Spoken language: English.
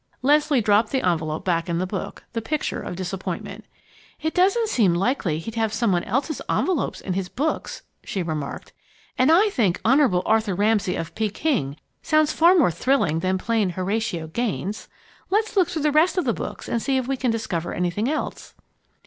Leslie dropped the envelop back in the book, the picture of disappointment. "It doesn't seem likely he'd have someone else's envelops in his books," she remarked. "And I think Honorable Arthur Ramsay of Peking sounds far more thrilling than plain 'Horatio Gaines'! Let's look through the rest of the books and see if we can discover anything else."